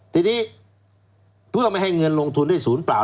ทีนี้เพื่อไม่ให้เงินลงทุนได้ศูนย์เปล่า